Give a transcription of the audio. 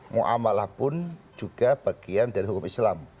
mu'amalah pun juga bagian dari hukum islam